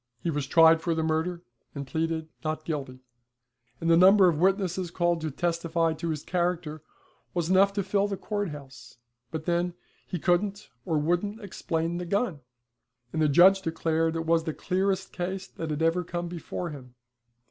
He was tried for the murder, and pleaded 'Not guilty'; and the number of witnesses called to testify to his character was enough to fill the court house, but then, he couldn't or wouldn't explain the gun, and the judge declared it was the clearest case that had ever come before him.